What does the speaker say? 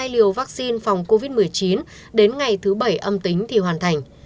lô vaccine phòng covid một mươi chín đến ngày thứ bảy âm tính thì hoàn thành